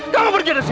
kamu pergi dari sini